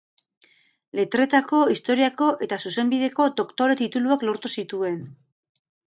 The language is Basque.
Letretako, Historiako eta Zuzenbideko doktore-tituluak lortu zituen.